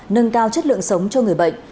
nâng cao chất lượng sống cho người bệnh